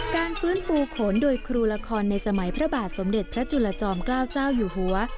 การฟื้นฟูโขนโดยครูละครในสมัยพระบาทสมเด็จพระจุลจอมเกล้าเจ้าอยู่หัว